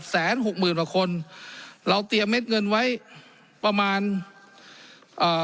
หกหมื่นกว่าคนเราเตรียมเม็ดเงินไว้ประมาณเอ่อ